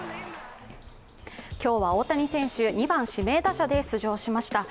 今日は大谷選手、２番・指名打者で出場しました。